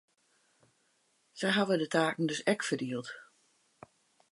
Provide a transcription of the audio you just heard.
Sy hawwe de taken dus ek ferdield.